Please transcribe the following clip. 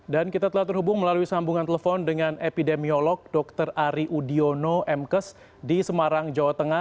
dan kita telah terhubung melalui sambungan telepon dengan epidemiolog dr ari udiono mkes di semarang jawa tengah